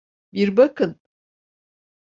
Bir bakın.